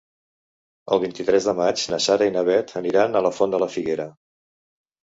El vint-i-tres de maig na Sara i na Bet aniran a la Font de la Figuera.